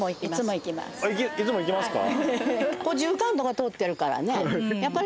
いつも行きますか？